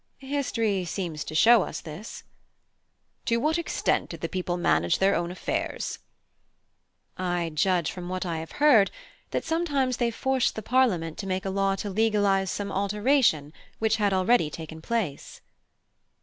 (I) History seems to show us this. (H.) To what extent did the people manage their own affairs? (I) I judge from what I have heard that sometimes they forced the Parliament to make a law to legalise some alteration which had already taken place.